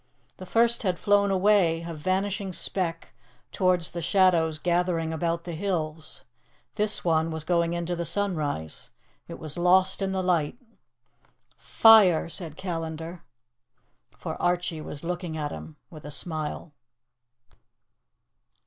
The first had flown away, a vanishing speck, towards the shadows gathering about the hills. This one was going into the sunrise. It was lost in the light. ... "Fire!" said Callandar. For Archie was looking at him with a smile.